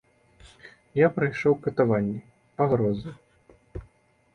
Я прайшоў катаванні, пагрозы.